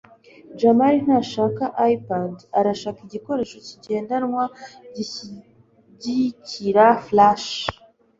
jamali ntashaka ipad. arashaka igikoresho kigendanwa gishyigikira flash